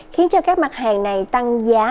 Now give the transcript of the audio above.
khiến cho các mặt hàng này tăng giá